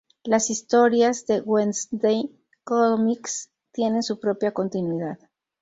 Las historias de "Wednesday Comics" tienen su propia continuidad.